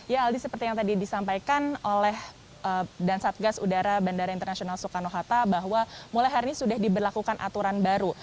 ya aldi seperti yang tadi disampaikan oleh dan satgas udara bandara internasional soekarno hatta bahwa mulai hari ini sudah diberlakukan aturan baru